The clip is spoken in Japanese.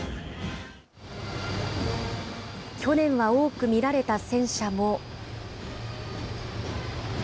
去年は多く見られた戦車も。